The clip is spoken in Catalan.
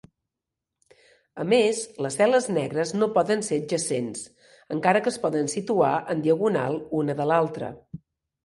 A més, les cel·les negres no poden ser adjacents, encara que es poden situar en diagonal una de l'altra.